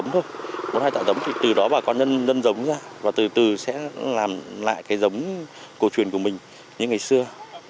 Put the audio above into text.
từ đó bà con nâng dòng ra và từ từ sẽ làm lại cái dòng cổ truyền của mình như ngày xưa